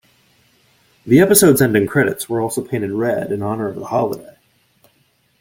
The episode's ending credits were also painted red in honor of the holiday.